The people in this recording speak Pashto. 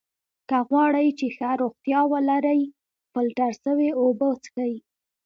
که غواړی چې ښه روغتیا ولری ! فلټر سوي اوبه څښئ!